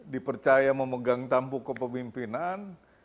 dipercaya memegang tampuk kepemimpinan